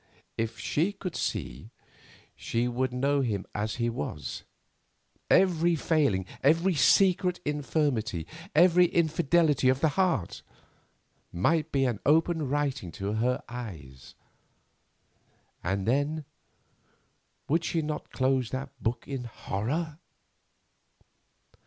If she could see, she would know him as he was; every failing, every secret infirmity, every infidelity of heart, might be an open writing to her eyes. And then would she not close that book in horror?